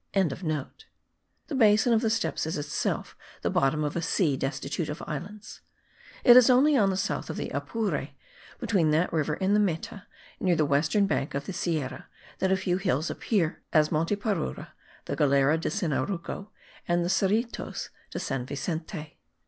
The basin of the steppes is itself the bottom of a sea destitute of islands; it is only on the south of the Apure, between that river and the Meta, near the western bank of the Sierra, that a few hills appear, as Monte Parure, la Galera de Sinaruco and the Cerritos de San Vicente.